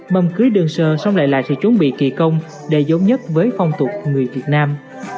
mâm cưới đơn sơ xong lại lại sẽ chuẩn bị kỳ công đầy giống nhất với phong tục người việt nam